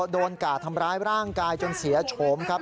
กาดทำร้ายร่างกายจนเสียโฉมครับ